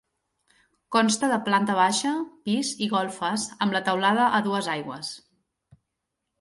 Consta de planta baixa, pis i golfes amb la teulada a dues aigües.